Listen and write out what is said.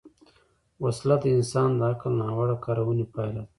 وسله د انسان د عقل ناوړه کارونې پایله ده